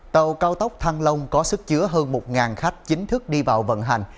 tàu cao tốc thăng long có sức chứa hơn một khách chính thức đi vào vận hành